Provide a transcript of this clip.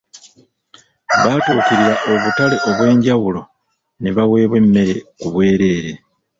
Batuukirira obutale obwenjawulo ne baweebwa emmere ku bwereere.